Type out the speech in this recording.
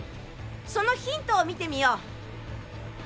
そのヒントを見てみよう。